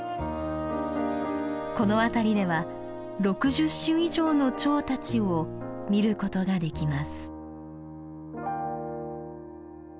この辺りでは６０種以上のチョウたちを見ることができます。